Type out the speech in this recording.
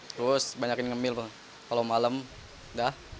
terus banyak ini ngemil kalau malam udah